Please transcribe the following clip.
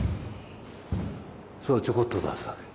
そうちょこっと出すだけ。